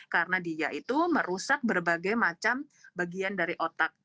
karena dia itu merusak berbagai macam bagian dari otak